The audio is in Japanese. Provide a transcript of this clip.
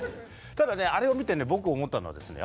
ただねあれを見てね僕思ったのはですね